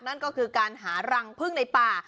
นั่นก็คือการหารังพึ่งในป่า